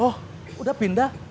oh udah pindah